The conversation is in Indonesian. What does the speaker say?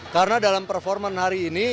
karena dalam performance hari ini